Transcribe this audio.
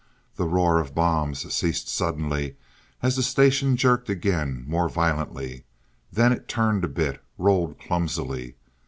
The roar of bombs ceased suddenly, as the station jerked again, more violently. Then it turned a bit, rolled clumsily.